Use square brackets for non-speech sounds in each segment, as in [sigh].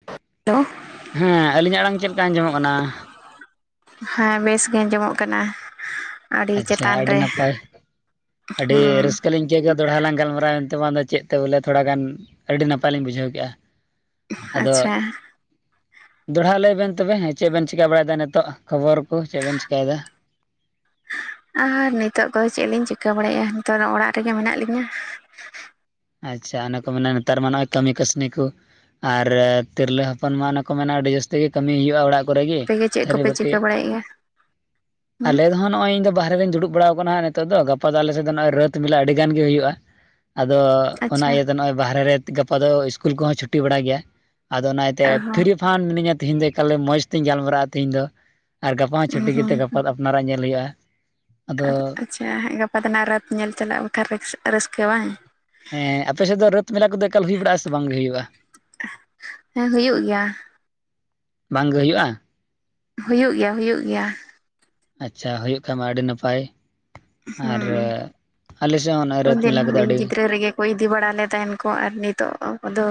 [unintelligible] ᱦᱮᱸ ᱟᱹᱞᱤᱧᱟᱜ ᱟᱲᱟᱝ ᱪᱮᱫ ᱞᱮᱠᱟ ᱟᱸᱡᱚᱢᱚᱜ ᱠᱟᱱᱟ? ᱦᱮᱸ ᱵᱮᱥ ᱜᱮ ᱟᱸᱡᱚᱢᱚᱜ ᱠᱟᱱᱟ ᱟᱹᱰᱤ ᱟᱪᱷᱟ ᱪᱮᱛᱟᱱ ᱟᱹᱰᱤ ᱨᱮ ᱱᱟᱯᱟᱭ ᱟᱹᱰᱤ ᱦᱩᱸ ᱨᱟᱹᱥᱠᱟᱹ ᱞᱤᱧ ᱪᱮᱜᱠᱟ ᱫᱚᱲᱦᱟ ᱞᱟᱝ ᱜᱟᱞᱢᱟᱨᱟᱣ ᱮᱱᱛᱮ ᱵᱟᱝᱫᱚ ᱪᱮᱫ ᱛᱮ ᱵᱚᱞᱮ ᱛᱷᱚᱲᱟ ᱜᱟᱱ ᱟᱹᱰᱤ ᱱᱟᱯᱟᱭᱞᱤᱧ ᱵᱩᱡᱷᱟᱹᱣ ᱠᱮᱜ-ᱟ ᱟᱫᱚ ᱟᱪᱪᱷᱟ ᱫᱚᱲᱦᱟ ᱞᱟᱹᱭ ᱵᱮᱱ ᱛᱚᱵᱮ ᱦᱮᱸ ᱪᱮᱫ ᱵᱮᱱ ᱪᱤᱠᱟᱹ ᱵᱟᱲᱟᱭ ᱫᱟ ᱱᱤᱛᱚᱜ ᱠᱷᱚᱵᱚᱨ ᱠᱚ ᱪᱮᱫ ᱵᱮᱱ ᱪᱤᱠᱟᱹᱭᱫᱟ? ᱟᱨ ᱱᱤᱛᱚᱜ ᱫᱚ ᱪᱮᱫ ᱞᱤᱧ ᱪᱤᱠᱟᱹ ᱵᱟᱲᱟᱭ ᱭᱮᱫ- ᱟ ᱱᱤᱛᱚᱜ ᱫᱚ ᱚᱲᱟᱜ ᱨᱮᱜᱮ ᱢᱮᱱᱟᱜ ᱞᱤᱧᱟᱹ ᱟᱪᱷᱟ ᱚᱱᱟ ᱠᱚ ᱢᱮᱱᱟ ᱱᱮᱛᱟᱨ ᱢᱟ ᱱᱚᱜᱼᱚᱭ ᱠᱟᱹᱢᱤ ᱠᱟᱹᱥᱱᱤ ᱠᱚ ᱟᱨ ᱛᱤᱨᱞᱟᱹ ᱦᱚᱯᱚᱱ ᱢᱟ ᱚᱱᱮ ᱠᱚ ᱢᱮᱱᱟ ᱟᱹᱰᱤ ᱡᱟᱹᱥᱛᱤ ᱜᱮ ᱠᱟᱹᱢᱤ ᱦᱩᱭᱩᱜ-ᱟ ᱚᱲᱟᱜ ᱠᱚᱨᱮ ᱜᱤ ᱟᱯᱮᱜᱮ ᱪᱮᱫ ᱛᱷᱟᱹᱨᱤ ᱠᱚᱯᱮ ᱵᱟᱹᱴᱤ, ᱪᱤᱠᱟᱹ ᱵᱟᱲᱟᱭᱮᱫᱼᱟ ᱦᱩᱸ ᱟᱞᱮ ᱫᱚ ᱦᱟᱸᱜ ᱱᱚᱜ-ᱚᱭ ᱤᱧᱫᱚ ᱵᱟᱦᱨᱮ ᱨᱮᱧ ᱫᱩᱲᱩᱵ ᱵᱟᱲᱟᱣ ᱠᱟᱱᱟ ᱦᱟᱸᱜ ᱱᱤᱛᱚᱜ ᱫᱚ ᱜᱟᱯᱟ ᱫᱚ ᱟᱞᱮ ᱥᱮᱫ ᱫᱚ ᱱᱚᱜ-ᱚᱭ ᱨᱟᱹᱛ ᱢᱮᱞᱟ ᱟᱹᱰᱤ ᱜᱟᱱ ᱜᱮ ᱦᱩᱭᱩᱜ-ᱟ ᱟᱫᱚ ᱚᱱᱟ ᱟᱪᱪᱷᱟ ᱤᱭᱟᱹᱛᱮ ᱱᱚᱜ-ᱚᱭ ᱵᱟᱦᱨᱮ ᱨᱮ ᱜᱟᱯᱟ ᱫᱚ ᱤᱥᱠᱩᱞ ᱠᱚᱦᱚᱸ ᱪᱷᱩᱴᱤ ᱵᱟᱲᱟ ᱜᱮᱭᱟ ᱟᱫᱚ ᱚᱱᱟ ᱤᱭᱟᱹᱛᱮ ᱚ ᱦᱚᱸ ᱛᱷᱤᱨᱤᱯ ᱯᱷᱟᱱ ᱢᱤᱱᱟᱹᱧᱟ ᱛᱤᱦᱤᱧ ᱫᱚ ᱮᱠᱟᱞᱮ ᱢᱚᱸᱡᱛᱮᱧ ᱜᱟᱞᱢᱟᱨᱟᱜ-ᱟ ᱛᱤᱦᱤᱧ ᱫᱚ ᱟᱨ ᱜᱟᱯᱟ ᱦᱚᱸ ᱪᱷᱩᱴᱤ ᱜᱤᱛᱮ ᱦᱩᱸ ᱜᱟᱯᱟ ᱟᱨ ᱱᱟᱨᱟᱜ ᱧᱮᱞ ᱦᱩᱭᱩᱜ-ᱟ ᱟᱫᱚ ᱟᱪᱷᱟ ᱦᱟᱜ ᱜᱟᱯᱟ ᱫᱚᱱᱟᱜ ᱨᱟᱛ ᱧᱮᱞ ᱪᱟᱞᱟᱜ ᱵᱟᱠᱷᱟᱱ ᱨᱟᱹᱥ ᱨᱟᱹᱥᱠᱟᱹ ᱵᱟᱝ ᱦᱮᱸ ᱟᱯᱮ ᱥᱮᱫ ᱫᱚ ᱨᱟᱹᱛ ᱢᱮᱞᱟ ᱠᱚᱫᱚ ᱮᱠᱟᱞ ᱦᱩᱭ ᱵᱟᱲᱟᱜ-ᱟ ᱥᱮ ᱵᱟᱝᱜᱮ ᱦᱩᱭᱩᱜ-ᱟ? ᱦᱮᱸ ᱦᱩᱭᱩᱜ ᱜᱮᱭᱟ ᱵᱟᱝᱜᱮ ᱦᱩᱭᱩᱜ-ᱟ ᱦᱩᱭᱩᱜ ᱜᱮᱭᱟ ᱦᱩᱭᱩᱜ ᱜᱮᱭᱟ ᱟᱪᱷᱟ ᱦᱩᱭᱩᱜ ᱠᱷᱟᱱᱢᱟ ᱟᱹᱰᱤ ᱱᱟᱯᱟᱭ ᱟᱨ ᱦᱩᱸ ᱟᱞᱮ ᱥᱮᱫ ᱦᱚᱸ ᱨᱟ. ᱛ ᱢᱮᱞᱟ ᱠᱚᱫᱚ ᱟᱹᱰᱤ ᱦᱳᱭ ᱤᱫᱤ ᱵᱟᱲᱟᱞᱮ ᱛᱟᱦᱮᱱ ᱠᱚ ᱟᱨ ᱱᱤᱛᱚᱜ ᱠᱚᱫᱚ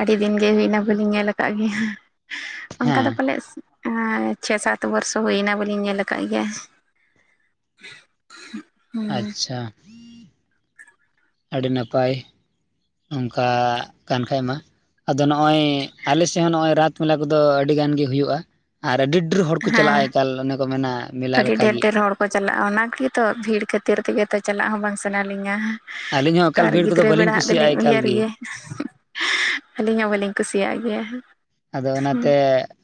ᱟᱹᱰᱤ ᱫᱤᱱ ᱜᱮ ᱦᱩᱭᱱᱟ ᱵᱞᱤᱧ ᱧᱮᱞ ᱟᱠᱟᱫ ᱜᱮᱭᱟ [inaudible] ᱚᱱᱠᱟ ᱫᱚ ᱯᱟᱞᱮᱫ ᱪᱷᱮ ᱥᱟᱛ ᱵᱚᱨᱥᱚ ᱦᱩᱭᱱᱟ ᱵᱚᱞᱤᱧ ᱧᱮᱞ ᱟᱠᱟᱫ ᱜᱮᱭᱟ ᱦᱩᱸ ᱟᱪᱷᱟ ᱟᱹᱰᱤ ᱱᱟᱯᱟᱭ ᱱᱚᱝᱠᱟ ᱠᱟᱱ ᱠᱷᱟᱡ ᱢᱟ ᱟᱫᱚ ᱱᱚᱜᱼᱚᱭ ᱟᱞᱮᱥᱮᱫ ᱦᱚᱸ ᱱᱚᱜᱼᱚᱭ ᱨᱟᱛ ᱢᱮᱞᱟ ᱠᱚᱫᱚ ᱟᱹᱰᱤ ᱜᱟᱱ ᱜᱮ ᱦᱩᱭᱩᱜᱼᱟ ᱟᱨ ᱟᱹᱰᱤ ᱰᱮᱨ ᱦᱚᱲ ᱠᱚ ᱪᱟᱞᱟᱜᱼᱟ ᱦᱮᱸ ᱮᱠᱟᱞ ᱚᱸᱰᱮ ᱠᱚ ᱢᱮᱱᱟ ᱢᱮᱞᱟ ᱟᱹᱰᱤ ᱰᱷᱮᱨ ᱞᱮᱠᱟᱜᱮ ᱰᱷᱮᱨ ᱦᱚᱲ ᱚᱱᱟ ᱠᱤᱛᱚ ᱵᱷᱤᱲ ᱠᱷᱟᱹᱛᱤᱨ ᱛᱮᱜᱮ ᱛᱚ ᱪᱟᱞᱟᱜ ᱦᱚᱸ ᱵᱟᱝ ᱥᱟᱱᱟ ᱞᱤᱧᱟᱹ ᱟᱹᱞᱤᱧ ᱦᱚᱸ ᱮᱠᱟᱞ ᱟᱨ ᱵᱷᱤᱲ ᱠᱚᱫᱚ ᱜᱤᱫᱽᱨᱟᱹ ᱵᱟᱹᱞᱤᱧ ᱵᱮᱲᱟ ᱟᱜ ᱠᱩᱥᱤᱭᱟᱜᱼᱟ ᱫᱚᱞᱤᱧ ᱮᱠᱟᱞ ᱩᱭᱦᱟᱹᱨ ᱜᱮ᱾ ᱟᱹᱞᱤᱧ ᱦᱚᱸ ᱵᱟᱹᱞᱤᱧ ᱠᱩᱥᱤᱭᱟᱜ ᱜᱮᱭᱟ᱾ ᱟᱫᱚ ᱚᱱᱟᱛᱮ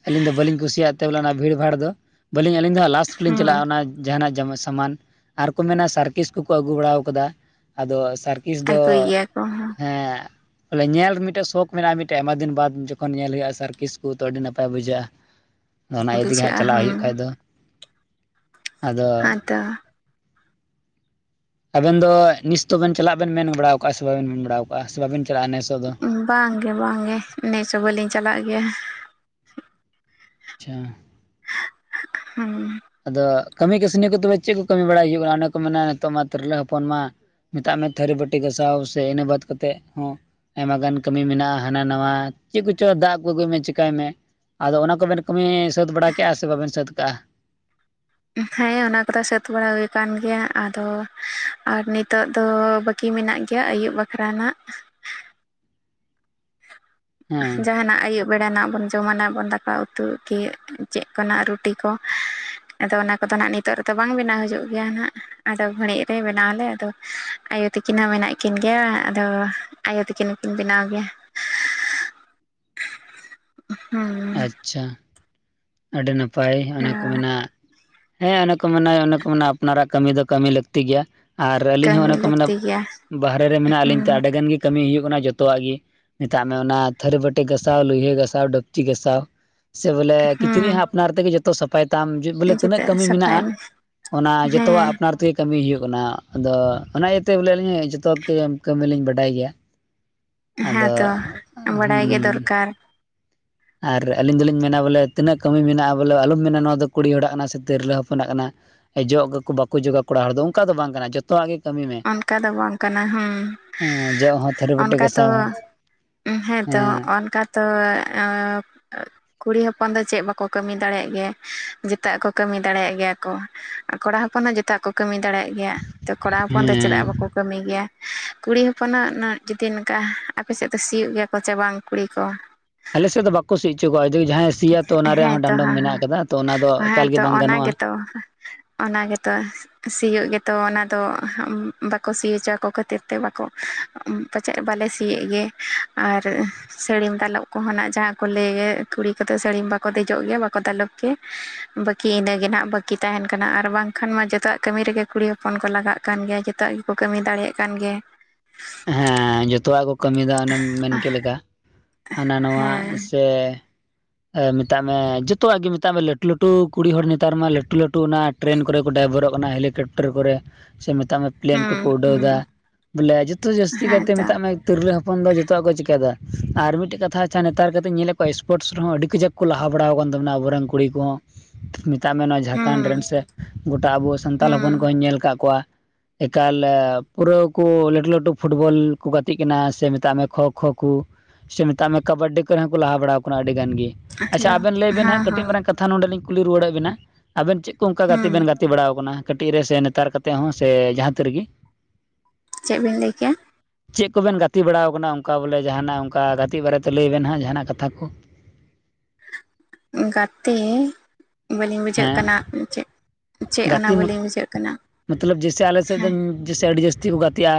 ᱟᱹᱞᱤᱧ ᱫᱚ ᱵᱟᱹᱞᱤᱧ ᱠᱩᱥᱤᱭᱟᱜ ᱛᱮ ᱵᱚᱞᱮ ᱚᱱᱟ ᱵᱷᱤᱲᱵᱷᱟᱲ ᱫᱚ, ᱵᱟᱹᱞᱤᱧ ᱟᱹᱞᱤᱧ ᱫᱚ ᱞᱟᱥ ᱞᱤᱧ ᱦᱩᱸ ᱪᱟᱞᱟᱜᱼᱟ ᱚᱱᱟ ᱡᱟᱦᱟᱱᱟᱜ ᱡᱟᱢᱟ ᱥᱟᱢᱟᱱ ᱟᱨ ᱠᱚ ᱢᱮᱱᱟ ᱥᱟᱨᱠᱤᱥ ᱠᱚᱠᱚ ᱟᱹᱜᱩ ᱵᱟᱲᱟ ᱟᱠᱟᱫᱟ ᱟᱫᱚ ᱥᱟᱨᱠᱤᱥ ᱫᱚ ᱟᱹᱜᱩᱭ ᱜᱮᱭᱟ ᱠᱚ ᱦᱮᱸ ᱵᱚᱞᱮ ᱧᱮᱞ ᱢᱤᱫᱴᱮᱱ ᱥᱚᱠ ᱢᱮᱱᱟᱜ-ᱟ ᱢᱤᱫᱮᱱ ᱟᱭᱢᱟ ᱫᱤᱱ ᱵᱟᱫ ᱡᱚᱠᱷᱚᱱ ᱧᱮᱞ ᱦᱩᱭᱩᱜ-ᱟ ᱥᱮ᱾ ᱥᱟᱨᱠᱮᱥᱩ ᱛᱚ ᱟᱹᱰᱤ ᱱᱟᱯᱟᱭ ᱵᱩᱡᱷᱟᱹᱜᱼᱟ ᱚᱱᱟ ᱤᱫᱤ ᱜᱮ ᱵᱩᱡᱷᱟᱹᱜᱼᱟ ᱪᱟᱞᱟᱜ ᱦᱩᱸ ᱦᱩᱭᱩᱜ ᱠᱷᱟᱡ ᱫᱚ ᱟᱫᱚ [inaudible] ᱦᱮᱸᱛᱚ ᱟᱵᱮᱱ ᱫᱚ ᱱᱤᱥ ᱫᱚ ᱵᱤᱱ ᱪᱟᱞᱟᱜ ᱵᱤᱱ ᱢᱮᱱ ᱵᱟᱨᱟ ᱟᱠᱟᱫ ᱥᱮ ᱵᱟᱵᱤᱱ ᱪᱟᱞᱟᱜᱼᱟ ᱱᱮᱥᱚᱜ ᱫᱚ ᱵᱟᱝᱜᱮ ᱵᱟᱝᱜᱮ ᱱᱮᱥ ᱦᱚᱸᱵᱟᱞᱤᱧ ᱪᱟᱞᱟᱜ ᱜᱮᱭᱟ ᱟᱪᱷᱟ ᱦᱮᱸ ᱟᱫᱚ ᱠᱟᱹᱢᱤ ᱠᱟᱹᱥᱱᱤ ᱠᱚ ᱫᱚ ᱪᱮᱫ ᱠᱚ ᱠᱟᱹᱢᱤ ᱵᱟᱲᱟᱭ ᱦᱩᱭᱩᱜ ᱠᱟᱱᱟ ᱚᱱᱟ ᱠᱚ ᱢᱮᱱᱟ ᱱᱤᱛᱚᱜ ᱢᱟ ᱛᱤᱨᱞᱟᱹ ᱦᱚᱯᱚᱱ ᱢᱟ ᱢᱮᱛᱟᱜ ᱢᱮ ᱛᱷᱟᱹᱨᱤ ᱵᱟᱹᱴᱤ ᱜᱟᱥᱟᱣ ᱥᱮ ᱤᱱᱟᱹ ᱵᱟᱫ ᱠᱟᱛᱮᱫ ᱦᱚᱸ ᱟᱭᱢᱟ ᱜᱟᱱ ᱠᱟᱹᱢᱤ ᱢᱮᱱᱟᱜ-ᱟ ᱦᱟᱱᱟ ᱱᱟᱣᱟ ᱪᱮᱫ ᱠᱚᱪᱚ ᱫᱟᱜ ᱠᱚ ᱟᱹᱜᱩᱭ ᱢᱮ ᱪᱮᱠᱟᱭ ᱢᱮ ᱟᱫᱚ ᱚᱱᱟ ᱠᱚᱵᱮᱱ ᱠᱟᱹᱢᱤ ᱥᱟᱹᱛ ᱵᱟᱲᱟ ᱠᱮᱫᱼᱟ ᱥᱮ ᱵᱟᱵᱤᱱ ᱥᱟᱹᱛ ᱠᱟᱜᱼᱟ? ᱦᱮᱸ ᱚᱱᱟ ᱠᱚᱫᱚ ᱥᱟᱹᱛ ᱵᱟᱲᱟ ᱦᱩᱭ ᱟᱠᱟᱱ ᱜᱮᱭᱟ ᱟᱫᱚ ᱟᱨ ᱱᱤᱛᱚᱜ ᱫᱚ ᱵᱟᱠ ᱵᱟᱠᱤ ᱢᱮᱱᱟᱜ ᱜᱮᱭᱟ ᱟᱹᱭᱩᱵ ᱵᱟᱠᱷᱨᱟ ᱦᱟᱜ ᱦᱮᱸ ᱡᱟᱸᱦᱟᱱᱟᱜ ᱟᱹᱭᱩᱵ ᱵᱮᱲᱟ ᱨᱮᱱᱟᱜ ᱵᱚᱱ ᱡᱚᱢᱟᱱᱟᱜ ᱵᱚᱱ ᱫᱟᱠᱟ ᱩᱛ ᱛᱩᱜ ᱜᱤ ᱪᱮᱫ ᱠᱚᱱᱟᱜ ᱨᱩᱴᱤ ᱠᱚ ᱟᱫᱚ ᱚᱱᱟ ᱠᱚᱫᱚ ᱦᱟᱸᱜ ᱱᱤᱛᱚᱜ ᱨᱮᱫᱚ ᱵᱟᱝ ᱵᱮᱱᱟᱣ ᱦᱩᱭᱩᱜ ᱜᱮᱭᱟ ᱱᱟᱸᱜ᱾ ᱟᱫᱚ ᱜᱷᱟᱹᱲᱤᱡ ᱨᱮ ᱵᱮᱱᱟᱣ ᱟᱞᱮ ᱟᱫᱚ ᱟᱭᱳ ᱛᱤᱠᱤᱱ ᱦᱚᱸ ᱢᱮᱱᱟᱜ ᱠᱤᱱ ᱜᱮᱭᱟ, ᱟᱫᱚ ᱟᱭᱳ ᱛᱤᱠᱤᱱ ᱠᱤᱱ ᱵᱮᱱᱟᱣ ᱜᱮᱭᱟ᱾ ᱦᱩᱸ ᱟᱪᱪᱷᱟ ᱟᱹᱰᱤ ᱱᱟᱯᱟᱭ ᱚᱱᱮ ᱠᱚ ᱢᱮᱱᱟ ᱦᱮᱸ ᱚᱱᱮ ᱠᱚ ᱢᱮᱱᱟ ᱚᱱᱮ ᱠᱚ ᱢᱮᱱᱟ ᱟᱯᱱᱟᱨᱟᱜ ᱠᱟᱹᱢᱤ ᱫᱚ ᱠᱟᱹᱢᱤ ᱞᱟᱹᱠᱛᱤ ᱜᱮᱭᱟ᱾ ᱟᱨ ᱟᱹᱞᱤᱧ ᱦᱚᱸ ᱠᱟᱹᱢᱤ ᱚᱱᱮ ᱠᱚ ᱢᱮᱱᱟ ᱞᱟᱹᱠᱛᱤ ᱜᱮᱭᱟ ᱵᱟᱦᱨᱮ ᱨᱮ ᱢᱮᱱᱟᱜ ᱞᱤᱧ ᱛᱮ ᱦᱩᱸ ᱟᱹᱰᱤ ᱜᱟᱱ ᱜᱤ ᱠᱟᱹᱢᱤ ᱦᱩᱭᱩᱜ ᱠᱟᱱᱟ ᱡᱚᱛᱚᱣᱟᱜ ᱜᱤ ᱢᱮᱛᱟᱜ ᱢᱮ ᱚᱱᱟ ᱛᱷᱟᱹᱨᱤ ᱵᱟᱹᱴᱤ ᱜᱟᱥᱟᱣ ᱞᱩᱭᱦᱟᱹ ᱜᱟᱥᱟᱣ ᱰᱟᱹᱠ ᱴᱤ ᱜᱟᱥᱟᱣ ᱥᱮ ᱵᱚᱞᱮ ᱠᱤᱪᱨᱤᱡ ᱦᱩᱸ ᱟᱯᱱᱟᱨ ᱛᱮᱜᱮ ᱡᱚᱛᱚ ᱥᱟᱯᱷᱟᱭ ᱛᱟᱢ᱾ ᱵᱚᱞᱮ ᱛᱤᱱᱟᱹᱜ ᱡᱚᱛᱚ ᱠᱟᱹᱢᱤ ᱢᱮᱱᱟᱜᱼᱟ ᱥᱟᱯᱷᱟᱭ ᱢᱮ ᱚᱱᱟ ᱡᱚᱛᱚᱣᱟᱜ ᱦᱮᱸ ᱟᱯᱱᱟᱨ ᱛᱮ ᱠᱟᱹᱢᱤ ᱦᱩᱭᱩᱜ ᱠᱟᱱᱟ ᱟᱫᱚ ᱚᱱᱟ ᱤᱭᱟᱹᱛᱮ ᱵᱚᱞᱮ ᱟᱹᱞᱤᱧ ᱡᱚᱛᱚ ᱠᱟᱹᱢᱤᱞᱤᱧ ᱵᱟᱰᱟᱭ ᱜᱮᱭᱟ᱾ ᱟᱫᱚ ᱦᱮᱸᱛᱚ ᱵᱟᱲᱟᱭ ᱜᱮ ᱦᱩᱸ ᱫᱚᱨᱠᱟᱨ ᱟᱨ ᱟᱹᱞᱤᱧ ᱫᱚᱞᱤᱧ ᱢᱮᱱᱟ ᱵᱚᱞᱮ ᱛᱤᱱᱟᱹᱜ ᱠᱟᱹᱢᱤ ᱢᱮᱱᱟᱜ-ᱟ ᱵᱚᱞᱮ ᱟᱞᱚᱢ ᱢᱮᱱᱟ ᱱᱚᱣᱟ ᱫᱚ ᱠᱩᱲᱤ ᱦᱚᱲᱟᱜ ᱠᱟᱱᱟ ᱥᱮ ᱛᱤᱨᱞᱟᱹ ᱦᱚᱯᱚᱱᱟᱜ ᱠᱟᱱᱟ᱾ ᱡᱚᱜ ᱟᱠᱚ ᱵᱟᱠᱚ ᱡᱚᱜᱟ ᱠᱚᱲᱟ ᱦᱚᱲ ᱫᱚ ᱚᱱᱠᱟ ᱫᱚ ᱵᱟᱝ ᱠᱟᱱᱟ ᱡᱚᱛ ᱛᱚᱣᱟᱜ ᱜᱤ ᱠᱟᱹᱢᱤ ᱢᱮ ᱚᱱᱠᱟ ᱫᱚ ᱵᱟᱝ ᱠᱟᱱᱟ ᱦᱩᱸ ᱦᱮᱸ ᱡᱚᱜ ᱦᱚᱸ ᱛᱷᱟᱹᱨᱤ ᱵᱟᱹᱴᱤ ᱚᱱᱠᱟ ᱛᱚ ᱜᱟᱥᱟᱣ ᱦᱚᱸ ᱦᱮᱸᱛᱚ ᱦᱮᱸ ᱚᱱᱠᱟ ᱛᱚ ᱮᱸ ᱠᱩᱲᱤ ᱦᱚᱯᱚᱱ ᱫᱚ ᱪᱮᱫ ᱵᱟᱠᱚ ᱠᱟᱹᱢᱤ ᱫᱟᱲᱮᱭᱟᱜ ᱜᱮ ᱡᱚᱛᱚᱣᱟᱜ ᱠᱚ ᱠᱟᱹᱢᱤ ᱫᱟᱲᱮᱭᱟᱜ ᱜᱮᱭᱟ ᱠᱚ᱾ ᱠᱚᱲᱟ ᱦᱚᱯᱚᱱ ᱦᱚᱸ ᱡᱚᱛᱚᱣᱟᱜ ᱠᱚ ᱠᱟᱹᱢᱤ ᱫᱟᱲᱮᱭᱟᱜ ᱜᱮᱭᱟ, ᱛᱚ ᱠᱚᱲᱟ ᱦᱚᱯᱚᱱ ᱫᱚ ᱪᱮᱫᱟᱜ ᱵᱟᱠᱚ ᱦᱮᱸ ᱠᱟᱹᱢᱤ ᱜᱮᱭᱟ, ᱠᱩᱲᱤ ᱦᱚᱯᱚᱱᱟᱜ ᱡᱩᱫᱤ ᱚᱱᱠᱟ ᱟᱯᱮ ᱥᱮᱫ ᱫᱚ ᱥᱤᱭᱳᱜ ᱜᱮᱭᱟ ᱠᱚ ᱥᱮ ᱵᱟᱝ ᱠᱩᱲᱤ ᱠᱚ? ᱟᱞᱮᱥᱮᱫ ᱫᱚ ᱵᱟᱠᱚ ᱥᱤ ᱚᱪᱚ ᱠᱚᱣᱟ ᱡᱟᱦᱟᱸᱭ ᱥᱤᱭᱟ ᱛᱚ ᱚᱱᱟ ᱨᱮᱭᱟᱜ ᱦᱮᱸ ᱦᱚᱸ ᱛᱚ ᱰᱟᱸᱰᱚᱢ ᱦᱮᱸ ᱢᱮᱱᱟᱜ ᱟᱠᱟᱫ-ᱟ ᱛᱚ ᱚᱱᱟ ᱫᱚ ᱮᱠᱟᱞ ᱜᱮ ᱵᱟᱝ ᱜᱟᱱᱚᱜ-ᱟ᱾ ᱚᱱᱟᱜᱮ ᱛᱚ, ᱥᱤᱭᱚᱜ ᱜᱮᱛᱚ ᱚᱱᱟ ᱫᱚ ᱵᱟᱠᱚ ᱥᱤ ᱦᱚᱪᱚ ᱠᱚ ᱠᱷᱟᱹᱛᱤᱨ ᱛᱮ ᱵᱟᱠᱚ ᱯᱟᱪᱮᱜ ᱵᱟᱞᱮ ᱥᱤᱭᱮᱫ ᱜᱮ, ᱟᱨ ᱥᱟᱹᱲᱤᱢ ᱫᱟᱞᱚᱵ ᱠᱚᱦᱚᱸ ᱱᱟᱜ ᱡᱟᱦᱟᱸ ᱠᱚ ᱞᱟᱹᱭᱮᱫ ᱠᱩᱲᱤ ᱠᱟᱛᱮᱜ ᱥᱟᱹᱲᱤᱢ ᱵᱟᱠᱚ ᱫᱮᱡᱚᱜ ᱜᱮᱭᱟ ᱵᱟᱠᱚ ᱫᱟᱞᱚᱵ ᱜᱮᱭᱟ, ᱵᱟᱹᱠᱤ ᱤᱱᱟᱹᱜᱮ ᱱᱟᱦᱟᱜ ᱵᱟᱹᱠᱤ ᱛᱟᱦᱮᱸᱱ ᱠᱟᱱᱟ ᱟᱨ ᱵᱟᱝ ᱠᱷᱟᱱ ᱢᱟ ᱡᱚᱛᱚᱣᱟᱜ ᱠᱟᱹᱢᱤ ᱨᱮᱜᱮ ᱠᱩᱲᱤ ᱦᱚᱯᱚᱱ ᱠᱚ ᱞᱟᱜᱟᱜ ᱠᱟᱱ ᱜᱮᱭᱟ ᱡᱚᱛᱚᱣᱟᱜ ᱜᱮᱠᱚ ᱠᱟᱹᱢᱤ ᱫᱟᱲᱮᱭᱟᱜ ᱠᱟᱱ ᱜᱮᱭᱟ᱾ ᱦᱮᱸ ᱡᱚᱛᱚᱣᱟᱜ ᱠᱚ ᱠᱟᱹᱢᱤᱭᱮᱫᱟ ᱚᱱᱮᱢ ᱢᱮᱱᱠᱮᱫ ᱞᱮᱠᱟ᱾ ᱦᱟᱱᱟ ᱱᱚᱣᱟ ᱦᱮᱸ ᱥᱮ ᱮ ᱢᱮᱛᱟᱜ ᱢᱮ ᱡᱚᱛᱚᱣᱟᱜ ᱜᱮ ᱢᱮᱛᱟᱜ ᱢᱮ ᱞᱟᱹᱴᱩ ᱞᱟᱹᱴᱩ ᱠᱩᱲᱤ ᱦᱚᱲ ᱱᱮᱛᱟᱨ ᱢᱟ ᱞᱟᱹᱴᱩ ᱞᱟᱹᱴᱩ ᱚᱱᱟ ᱴᱨᱮᱱ ᱠᱚᱨᱮ ᱠᱚ ᱰᱟᱭᱵᱚᱨᱚᱜ ᱠᱟᱱᱟ ᱦᱮᱞᱤᱠᱮᱯᱴᱟᱨ ᱠᱚᱨᱮ ᱥᱮ ᱢᱮᱛᱟᱜ ᱢᱮ ᱯᱞᱮᱱ ᱦᱩᱸ ᱠᱚᱠᱚ ᱩᱰᱟᱹᱣ ᱦᱩᱸ ᱮᱫᱟ ᱵᱚᱞᱮ ᱡᱚᱛᱚ ᱡᱟᱹᱥᱛᱤ ᱦᱮᱸ ᱠᱟᱭᱛᱮ ᱛᱚ ᱢᱮᱛᱟᱜ ᱛᱤᱨᱞᱟᱹ ᱦᱚᱯᱚᱱ ᱫᱚ ᱡᱚᱛᱚᱣᱟᱜ ᱠᱚ ᱪᱤᱠᱟᱹᱭ ᱮᱫᱟ ᱟᱨ ᱢᱤᱫᱴᱮᱡ ᱠᱟᱛᱷᱟ ᱟᱪᱷᱟ ᱱᱮᱛᱟᱨ ᱠᱟᱛᱮᱜ ᱧᱮᱞᱮᱫ ᱠᱚᱣᱟ ᱥᱯᱚᱨᱴᱥ ᱨᱮᱦᱚᱸ ᱟᱹᱰᱤ ᱠᱟᱡᱟᱠ ᱠᱚ ᱞᱟᱦᱟ ᱵᱟᱲᱟ ᱟᱠᱟᱱ ᱛᱟᱵᱚᱱᱟ ᱟᱵᱚᱨᱮᱱ ᱠᱩᱲᱤ ᱠᱚᱦᱚᱸ ᱢᱮᱛᱟᱜ ᱢᱮ ᱱᱚᱣᱟ ᱡᱷᱟᱲᱠᱷᱚᱸᱰ ᱨᱮᱱ ᱦᱩᱸ ᱥᱮ ᱜᱚᱴᱟ ᱟᱵᱚ ᱥᱟᱱᱛᱟᱞ ᱦᱚᱯᱚᱱ ᱦᱩᱸ ᱠᱚᱧ ᱧᱮᱞ ᱟᱠᱟᱫ ᱠᱚᱣᱟ ᱮᱠᱟᱞ ᱯᱩᱨᱟᱹ ᱠᱚ ᱞᱟᱹᱴᱩ ᱞᱟᱹᱴᱩ ᱯᱷᱩᱴᱵᱚᱞ ᱠᱚ ᱜᱟᱛᱮᱜ ᱠᱟᱱᱟ ᱥᱮ ᱢᱮᱛᱟᱜ ᱢᱮ ᱠᱷᱳ ᱠᱷᱳ ᱠᱚ ᱥᱮ ᱢᱮᱛᱟᱜ ᱢᱮ ᱠᱟᱵᱟᱰᱰᱤ ᱠᱚᱨᱮ ᱦᱚᱸ ᱠᱚ ᱞᱟᱦᱟ ᱵᱟᱲᱟᱣ ᱠᱟᱱᱟ ᱟᱹᱰᱤ ᱜᱟᱱ ᱜᱮ, ᱟᱪᱪᱷᱟ ᱦᱮᱞᱳ ᱟᱵᱮᱱ ᱞᱟᱹᱭ ᱵᱮᱱ ᱦᱮᱸ ᱦᱟᱸᱜ ᱠᱟᱹᱴᱤᱡ ᱦᱮᱸ ᱢᱟᱨᱟᱝ ᱠᱟᱛ ᱛᱷᱟ ᱞᱤᱧ ᱠᱩᱞᱤ ᱨᱭᱣᱟᱹᱲᱮᱫ ᱵᱮᱱᱟ ᱟᱵᱮᱱ ᱪᱮᱫ ᱠᱚ ᱚᱱᱠᱟ ᱜᱟᱛᱮ ᱦᱩᱸ ᱵᱮᱱ ᱜᱟᱛ ᱛᱮ ᱵᱟᱲᱟᱣ ᱟᱠᱟᱱᱟ ᱠᱟᱹᱴᱤᱡ ᱨᱮ ᱥᱮ ᱱᱮᱛᱟᱨ ᱠᱟᱛᱮᱜ ᱦᱚᱸ ᱥᱮ ᱡᱟᱦᱟᱸ ᱛᱤᱨ ᱨᱮᱜᱤ? ᱪᱮᱫ ᱵᱤᱱ ᱞᱟᱹᱭ ᱠᱮᱜ-ᱟ? ᱪᱮᱫ ᱠᱚᱵᱮᱱ ᱜᱟᱛᱮ ᱵᱟᱲᱟ ᱠᱟᱱᱟ ᱚᱱᱠᱟ ᱵᱚᱞᱮ ᱡᱟᱦᱟᱱᱟᱜ ᱚᱱᱠᱟ ᱜᱟᱛᱮᱜ ᱵᱟᱨᱮᱛᱮ ᱞᱟᱹᱭ ᱵᱮᱱ ᱦᱟᱸᱜ ᱡᱟᱦᱟᱱᱟᱜ ᱠᱟᱛᱷᱟ ᱠᱚ᱾ ᱜᱟᱛᱮ ᱵᱟᱹᱞᱤᱧ ᱵᱩᱡᱷᱟᱹᱣᱮᱫ ᱦᱮᱸ ᱠᱟᱱᱟ ᱪᱮᱫ, ᱪᱮᱫ ᱚᱱᱟ ᱜᱟᱛᱮ ᱵᱟᱹᱞᱤᱧ ᱵᱩᱡᱷᱟᱹᱜ ᱠᱟᱱᱟ, ᱦᱮᱸ ᱡᱤᱥᱮ ᱟᱹᱰᱤ ᱡᱟᱹᱥᱛᱤ ᱠᱚ ᱜᱟᱛᱮᱜᱼᱟ,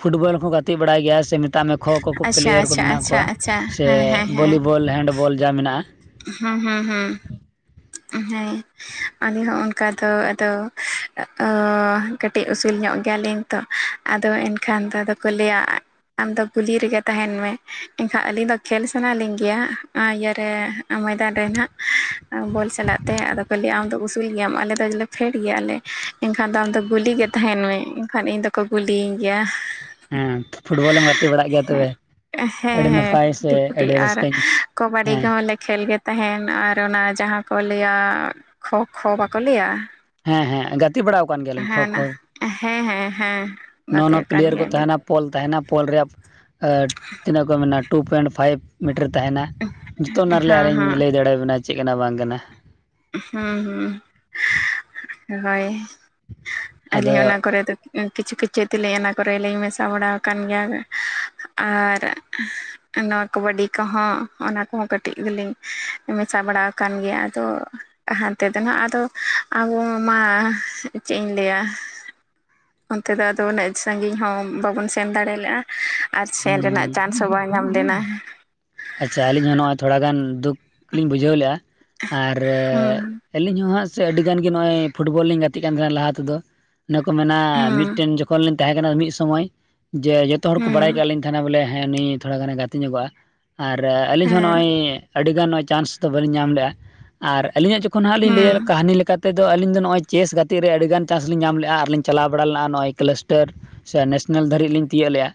ᱯᱷᱩᱴᱵᱚᱞ ᱦᱚᱸ ᱜᱟᱛᱮᱜ ᱵᱟᱲᱟᱭ ᱜᱮᱭᱟ ᱥᱮ ᱢᱮᱛᱟᱜ ᱢᱮ ᱠᱷᱳ ᱠᱷᱳ ᱠᱚ ᱟᱪᱪᱷᱟ ᱯᱞᱮᱭᱟᱨ ᱠᱚ ᱟᱪᱪᱷᱟ ᱢᱮᱱᱟᱜ ᱟᱪᱪᱷᱟ ᱠᱚᱣᱟ ᱟᱪᱪᱷᱟ ᱥᱮ ᱦᱮᱸ ᱦᱮᱸ ᱵᱷᱚᱞᱤᱵᱚᱞ ᱦᱮᱱᱰ ᱵᱚᱞ ᱡᱟ ᱢᱮᱱᱟᱜᱼᱟ ᱦᱮᱸ ᱦᱩᱸ ᱦᱩᱸ ᱦᱮᱸ ᱟᱞᱤᱧ ᱦᱚᱸ ᱚᱱᱠᱟ ᱫᱚ ᱟᱫᱚ ᱠᱟᱹᱴᱤᱡ ᱩᱥᱩᱞ ᱧᱚᱜ ᱜᱮᱭᱟᱞᱤᱧ ᱛᱚ ᱟᱫᱚ ᱮᱱᱠᱷᱟᱱ ᱫᱚ ᱟᱫᱚ ᱠᱚ ᱞᱟᱹᱭᱟ ᱟᱢᱫᱚ ᱜᱩᱞᱤ ᱨᱮᱜᱮ ᱛᱟᱦᱮᱸᱱ ᱢᱮ ᱮᱱᱠᱷᱟᱱ ᱟᱹᱞᱤᱧ ᱫᱚ ᱠᱷᱮᱞ ᱥᱟᱱᱟ ᱞᱤᱧ ᱜᱮᱭᱟ ᱤᱭᱟᱹ ᱨᱮ ᱢᱚᱭᱫᱟᱱ ᱨᱮ ᱱᱟᱦᱟᱜ ᱵᱚᱞ ᱥᱟᱞᱟᱜ ᱛᱮ ᱟᱫᱚ ᱠᱷᱟᱹᱞᱤ ᱟᱢᱫᱚ ᱩᱥᱩᱞ ᱜᱮᱭᱟᱢ ᱟᱞᱮ ᱫᱚ ᱡᱮᱞᱮᱠᱟ ᱯᱷᱮᱰ ᱜᱮᱭᱟᱞ ᱞᱮ ᱮᱱᱠᱷᱟᱱ ᱫᱚ ᱟᱢᱫᱚ ᱜᱩᱞᱤ ᱜᱮ ᱛᱟᱦᱮᱸᱱ ᱢᱮ ᱮᱱᱠᱷᱟᱱ ᱤᱧ ᱫᱚᱠᱚ ᱜᱩᱞᱤᱭᱤᱧ ᱜᱮᱭᱟ ᱦᱮᱸ ᱯᱷᱩᱴᱵᱚᱞᱮᱢ ᱜᱟᱛᱮ ᱵᱟᱲᱟᱜ ᱜᱮᱭᱟ ᱛᱚᱵᱮ ᱦᱮᱸ ᱟᱹᱰᱤ ᱦᱮᱸ ᱱᱟᱯᱟᱭ ᱥᱮ ᱠᱩᱴᱤ ᱠᱩᱴᱤ ᱟᱹᱰᱤ ᱟᱨ ᱨᱟᱹᱥᱠᱟᱹᱧ ᱠᱟᱵᱟᱰᱤ ᱦᱮᱸ ᱠᱚᱦᱚᱸ ᱠᱷᱮᱞ ᱜᱮ ᱛᱟᱦᱮᱸᱱ ᱟᱨ ᱚᱱᱟ ᱡᱟᱦᱟᱸ ᱠᱚ ᱞᱟᱹᱭᱟ ᱠᱷᱳ ᱠᱷᱳ ᱵᱟᱠᱚ ᱞᱟᱹᱭᱟ ᱦᱮᱸ ᱦᱮᱸ ᱜᱟᱛᱮ ᱵᱟᱲᱟ ᱦᱮᱸ ᱦᱮᱸ ᱦᱮᱸ ᱦᱮᱸ ᱱᱚ ᱜᱟᱛᱮ ᱱᱚ ᱠᱟᱱ ᱯᱞᱤᱭᱟᱹᱨ ᱠᱚ ᱜᱮᱭᱟᱞᱤᱧ ᱛᱟᱦᱮᱱᱟ ᱯᱚᱞ ᱛᱟᱦᱮᱱᱟ ᱯᱚᱞ ᱨᱮᱭᱟᱜ ᱛᱤᱱᱟᱹᱜ ᱠᱚ ᱢᱮᱱᱟ ᱴᱩ ᱯᱚᱭᱮᱱᱴ ᱯᱷᱟᱭᱤᱵᱽ ᱢᱤᱴᱟᱹᱨ ᱛᱟᱦᱮᱱᱟ ᱡᱚᱛᱚ ᱚᱱᱟ ᱨᱮᱞᱟᱜ ᱦᱮᱸ ᱞᱤᱧ ᱦᱮᱸ ᱞᱟᱹᱭ ᱫᱟᱲᱮ ᱭᱟᱵᱮᱱᱟ ᱪᱮᱜ ᱠᱟᱱᱟ ᱵᱟᱝ ᱠᱟᱱᱟ ᱦᱩᱸ ᱦᱩᱸ ᱦᱳᱭ ᱟᱫᱚ ᱟᱹᱞᱤᱧ ᱚᱱᱟ ᱠᱚᱨᱮ ᱫᱚ ᱠᱤᱪᱷᱩ ᱠᱤᱪᱷᱩ ᱛᱮᱞᱮᱧ ᱚᱱᱟ ᱠᱚᱨᱮ ᱞᱤᱧ ᱢᱮᱥᱟ ᱵᱟᱲᱟ ᱟᱠᱟᱱ ᱜᱮᱭᱟ ᱟᱨ ᱱᱚᱣᱟ ᱠᱟᱵᱟᱰᱤ ᱠᱚᱦᱚᱸ ᱚᱱᱟ ᱠᱚᱦᱚᱸ ᱠᱟᱹᱴᱤᱡ ᱜᱮᱞᱤᱧ ᱢᱮᱥᱟ ᱵᱟᱲᱟ ᱟᱠᱟᱱ ᱜᱮᱭᱟ ᱟᱫᱚ ᱦᱟᱱᱛᱮ ᱫᱚ ᱱᱟᱦᱟᱸᱜ ᱟᱫᱚ ᱟᱵᱚ ᱢᱟ ᱪᱮᱫ ᱤᱧ ᱞᱟᱹᱭᱟ? ᱚᱱᱛᱮ ᱫᱚ ᱟᱫᱚ ᱩᱱᱟᱹᱜ ᱥᱟᱜᱤᱧ ᱦᱚᱸ ᱵᱟᱵᱚᱱ ᱥᱮᱱ ᱫᱟᱲᱮᱞᱮᱜᱼᱟ ᱟᱨ ᱥᱮᱱ ᱨᱮᱱᱟᱜ ᱪᱟᱱᱥ ᱦᱚᱸ ᱵᱟᱝ ᱧᱟᱢ ᱞᱮᱱᱟ ᱟᱪᱷᱟ ᱟᱹᱞᱤᱧ ᱦᱚᱸ ᱱᱚᱜᱼᱚᱭ ᱛᱷᱚᱲᱟᱜᱟᱱ ᱫᱩᱠᱷ ᱞᱤᱧ ᱵᱩᱡᱷᱟᱹᱣ ᱞᱮᱫᱼᱟ ᱟᱨ ᱦᱩᱸ ᱟᱹᱞᱤᱧ ᱦᱚᱸ ᱦᱟᱸᱜ ᱥᱮ ᱟᱹᱰᱤ ᱜᱟᱱ ᱜᱮ ᱱᱚᱜᱼᱚᱭ ᱯᱷᱩᱴᱵᱚᱞ ᱞᱤᱧ ᱜᱟᱛᱮᱜ ᱠᱟᱱ ᱛᱟᱦᱮᱸᱱᱟ ᱞᱟᱦᱟ ᱛᱮᱫᱚ ᱚᱱᱮ ᱠᱚ ᱢᱮᱱᱟ ᱦᱩᱸ ᱢᱤᱫ ᱴᱮᱱ ᱡᱚᱠᱷᱚᱱ ᱠᱷᱚᱱ ᱞᱤᱧ ᱛᱟᱦᱮᱸ ᱠᱟᱱᱟ ᱢᱤᱫ ᱥᱚᱢᱚᱭ ᱡᱮ ᱡᱚᱛᱚ ᱦᱚᱲ ᱠᱚ ᱵᱟᱲᱟᱭ ᱦᱩᱸ ᱠᱟᱜ ᱞᱤᱧ ᱛᱟᱦᱮᱸᱱᱟ ᱵᱚᱞᱮ ᱦᱮᱸ ᱱᱩᱭ ᱛᱷᱚᱲᱟ ᱜᱟᱱᱮ ᱜᱟᱛᱮ ᱧᱚᱜᱚᱜᱼᱟ ᱟᱨ ᱟᱹᱞᱤᱧ ᱦᱚᱸ ᱦᱮᱸ ᱱᱚᱜᱼᱚᱭ ᱟᱹᱰᱤᱜᱟᱱ ᱱᱚᱜᱼᱚᱭ ᱪᱟᱱᱥ ᱫᱚ ᱵᱟᱹᱞᱤᱧ ᱧᱟᱢ ᱞᱮᱜᱼᱟ ᱟᱨ ᱟᱹᱞᱤᱧᱟᱜ ᱠᱷᱚᱱ ᱦᱟᱸᱜ ᱞᱤᱧ ᱦᱮᱸ ᱞᱟᱹᱭᱟ ᱠᱟᱹᱦᱱᱤ ᱞᱮᱠᱟᱛᱮ ᱛᱮᱫᱚ ᱟᱹᱞᱤᱧ ᱫᱚ ᱱᱚᱜᱼᱚᱭ ᱪᱮᱥ ᱜᱟᱛᱮᱜ ᱨᱮ ᱟᱹᱰᱤᱜᱟᱱ ᱪᱟᱱᱥ ᱞᱤᱧ ᱧᱟᱢ ᱞᱮᱜᱼᱟ ᱟᱨᱞᱤᱧ ᱪᱟᱞᱟᱣ ᱵᱟᱲᱟ ᱞᱮᱱᱟ ᱱᱚᱜᱼᱚᱭ ᱤᱠᱟᱹᱞᱟᱹᱥᱴᱟᱹᱨ ᱥᱮ ᱱᱮᱥᱱᱟᱞ ᱫᱷᱟᱹᱨᱤᱡ ᱞᱤᱧ ᱛᱤᱭᱳᱜ ᱞᱮᱜᱼᱟ